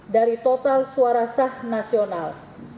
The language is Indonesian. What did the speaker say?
dari total suara sah nasional